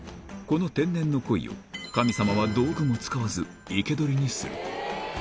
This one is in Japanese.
この天然のコイを、神様は道具も使わず、生け捕りにする。